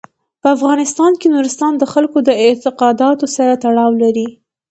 په افغانستان کې نورستان د خلکو د اعتقاداتو سره تړاو لري.